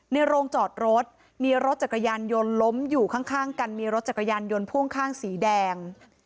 โรงจอดรถมีรถจักรยานยนต์ล้มอยู่ข้างกันมีรถจักรยานยนต์พ่วงข้างสีแดง